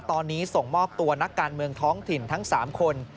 ตอนนี้ส่งมอบตัวนักการเมืองท้องถิ่นทั้ง๓คน